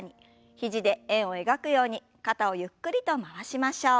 肘で円を描くように肩をゆっくりと回しましょう。